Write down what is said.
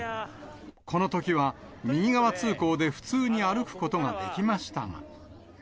このときは右側通行で、普通に歩くことができましたが。